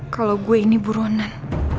kalau gue ini buronan